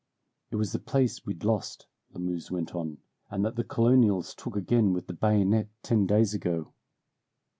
"It was the place we'd lost," Lamuse went on, "and that the Colonials took again with the bayonet ten days ago.